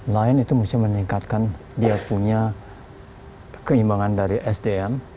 lain itu mesti meningkatkan dia punya keimbangan dari sdm